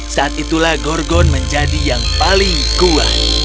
saat itulah gorgon menjadi yang paling kuat